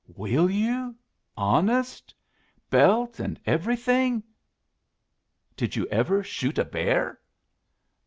"Will you, honest? Belt an' everything? Did you ever shoot a bear?"